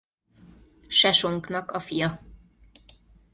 Sesonknak a fia.